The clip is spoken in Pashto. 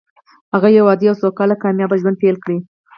هغه يو عادي او سوکاله او کامياب ژوند پيل کړ.